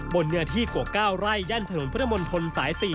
บนเนื้อที่กว่า๙ไร่ย่านถนนพุทธมนตรสาย๔